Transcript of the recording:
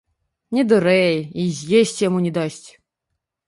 Не дурэй, і з'есці яму не дасць!